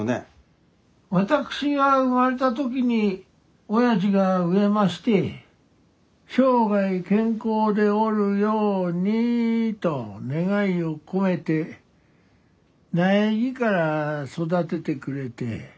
私が生まれたときにおやじが植えまして生涯健康でおるようにと願いを込めて苗木から育ててくれて。